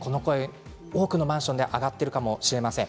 多くのマンションで挙がっているかもしれません。